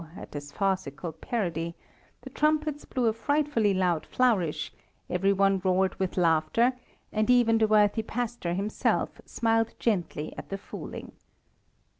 at this farcical parody, the trumpets blew a frightfully loud flourish, every one roared with laughter, and even the worthy pastor himself smiled gently at the fooling.